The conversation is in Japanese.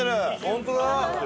本当だ！